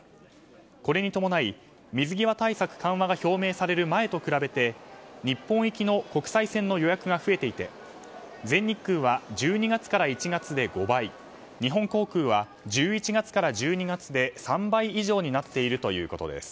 これに伴い、水際対策緩和が表明される前と比べて日本行きの国際線の予約が増えていて全日空は１２月から１月で５倍日本航空は１１月から１２月で３倍以上になっているということです。